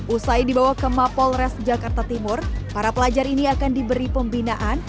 usai dibawa ke mapolres jakarta timur para pelajar ini akan diberi pembinaan